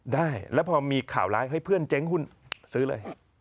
ได้แล้วพอมีข่าวร้ายเฮ้ยเพื่อนเจ๊งหุ้นซื้อเลย